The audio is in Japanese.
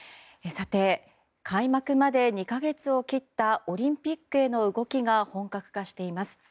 開幕まで２か月を切ったオリンピックへの動きが本格化しています。